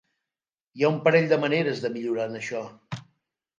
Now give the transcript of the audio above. Hi ha un parell de maneres de millorar en això.